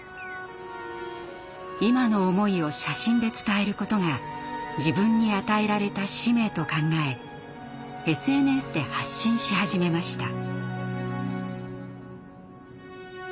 今の思いを写真で伝えることが自分に与えられた使命と考えＳＮＳで発信し始めました。